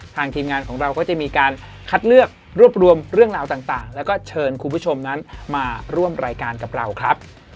ทีมงานของเราก็จะมีการคัดเลือกรวบรวมเรื่องราวต่างแล้วก็เชิญคุณผู้ชมนั้นมาร่วมรายการกับเราครับ